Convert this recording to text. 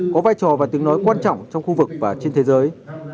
có vai trò và tiếng nói quan trọng trong khu vực và trên thế giới